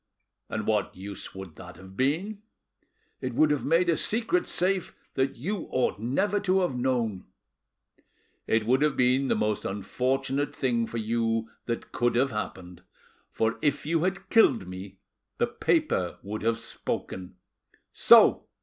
"And what use would that have been?" "It would have made a secret safe that you ought never to have known." "It would have been the most unfortunate thing for you that could have happened, for if you had killed me the paper would have spoken. So!